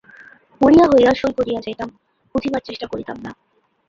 মরীয়া হইয়া সই করিয়া যাইতাম, বুঝিবার চেষ্টা করিতাম না।